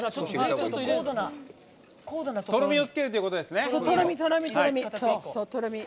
とろみをつけるということですね。